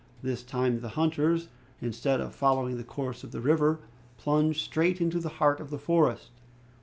This time, the hunters, instead of following the course of the river, plunged straight into the heart of the forest.